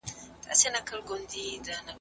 هم تر وروڼو هم خپلوانو سره ګران وه